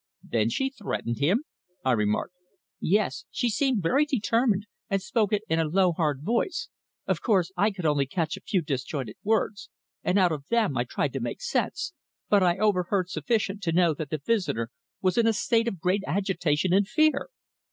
'" "Then she threatened him?" I remarked. "Yes. She seemed very determined and spoke in a low, hard voice. Of course, I could only catch a few disjointed words, and out of them I tried to make sense. But I overheard sufficient to know that the visitor was in a state of great agitation and fear."